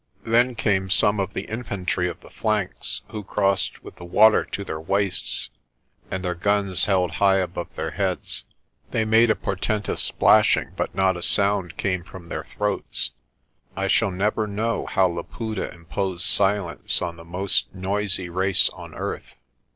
Then came some of the infantry of the flanks, who crossed with the 159 160 PRESTER JOHN water to their waists, and their guns held high above their heads. They made a portentous splashing but not a sound came from their throats. I shall never know how Laputa imposed silence on the most noisy race on earth.